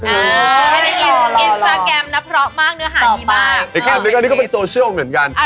อินสตาแกรมนะเพราะมากเนื้อหาดีมากต่อไปนี่ก็เป็นโซเชียลเหมือนกัน